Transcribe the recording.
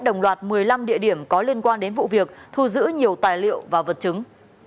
đồng loạt một mươi năm địa điểm có liên quan đến vụ việc thu giữ nhiều tài liệu và vật chứng